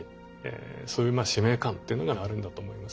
そういう使命感というのがあるんだと思います。